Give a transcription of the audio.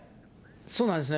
そうなんですね。